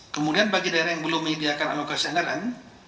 kemudian bagi daerah yang belum menyediakan anocrosoneran